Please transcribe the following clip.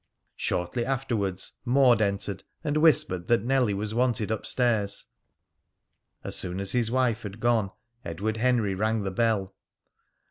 Shortly afterwards Maud entered and whispered that Nellie was wanted up stairs. As soon as his wife had gone, Edward Henry rang the bell.